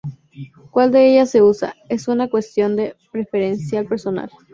Cuál de ellas se use, es una cuestión de preferencia personal.